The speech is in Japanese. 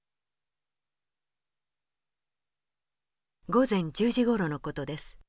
午前１０時ごろの事です。